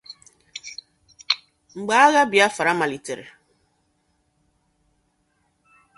Mgbe agha Biafra malitere